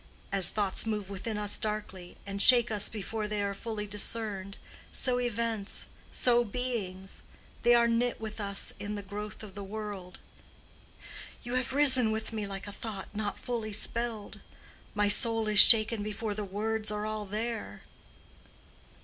As thoughts move within us darkly, and shake us before they are fully discerned—so events—so beings: they are knit with us in the growth of the world. You have risen within me like a thought not fully spelled; my soul is shaken before the words are all there.